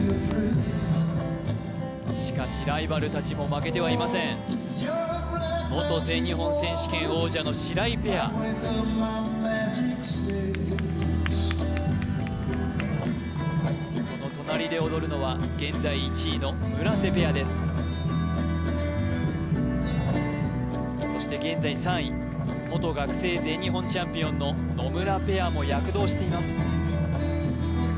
しかしライバル達も負けてはいません元全日本選手権王者の白井ペアその隣で踊るのは現在１位の村瀬ペアですそして現在３位元学生全日本チャンピオンの野村ペアも躍動しています